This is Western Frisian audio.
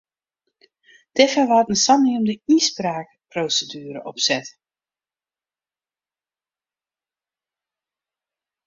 Dêrfoar waard in saneamde ynspraakproseduere opset.